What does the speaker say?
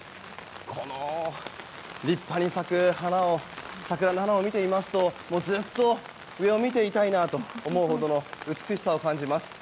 この立派に咲く桜の花を見ていますとずっと上を見ていたいなと思うほどの美しさを感じます。